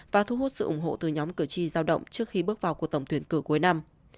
và thu hút sự ủng hộ từ nhóm cử tri giao động trước khi bước vào cuộc tổng tuyển cử cuối năm